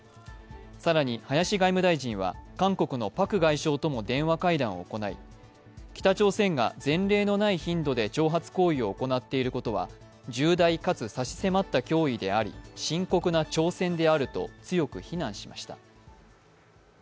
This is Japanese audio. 更に、林外務大臣は韓国のパク外相とも電話会談を行い北朝鮮が前例のない頻度で挑発行為を行っていることは重大かつ差し迫った脅威であり深刻な挑戦であると強く非難しました。